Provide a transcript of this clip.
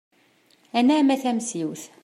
Anɛam a Tamsiwt.